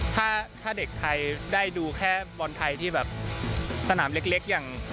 ถ้าเด็กไทยได้ดูของแบบบอนไทยที่สนามเล็กอย่าง